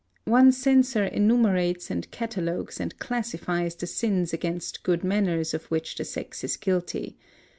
One censor enumerates and catalogues and classifies the sins against good manners of which the sex is guilty.